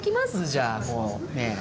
じゃあもうねえ。